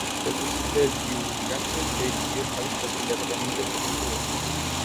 Fue Presidente del Triunvirato que dirigió el país tras el derrocamiento del presidente Bosch.